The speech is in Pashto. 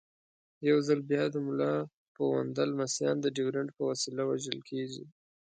یو ځل بیا د ملا پوونده لمسیان د ډیورنډ په وسیله وژل کېږي.